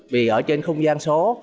vì ở trên không gian số